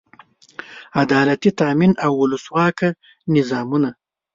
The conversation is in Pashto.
عدالتي تامین او اولسواکه نظامونه.